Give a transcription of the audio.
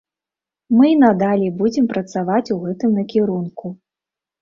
Мы і надалей будзем працаваць у гэтым накірунку.